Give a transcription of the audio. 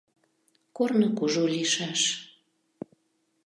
Корно кужу лийшаш.